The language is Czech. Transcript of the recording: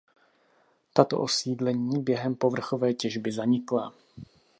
Tato osídlení během povrchové těžby zanikla.